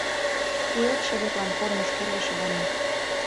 Пуэт чыветлан кормыж кӧргӧ шыдаҥым.